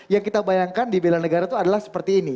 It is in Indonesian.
yang kita bayangkan di bela negara itu adalah seperti ini